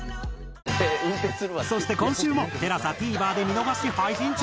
そして今週もＴＥＬＡＳＡＴＶｅｒで見逃し配信中！